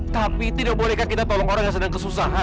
tapi tidak bolehkah kita tolong orang yang sedang kesusahan